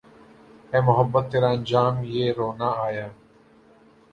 اے محبت تیرے انجام پہ رونا آیا